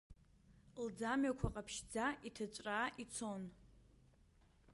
Лӡамҩақәа ҟаԥшьӡа иҭыҵәраа ицон.